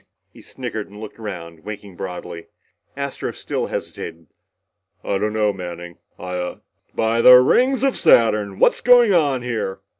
He snickered and looked around, winking broadly. Astro still hesitated, "I don't know, Manning. I uhh " "By the rings of Saturn! What's going on here?"